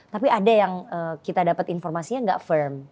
tapi ada yang kita dapat informasinya gak fem